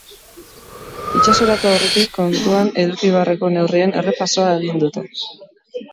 Itsasoratu aurretik kontuan eduki beharreko neurrien errepasoa egin dute.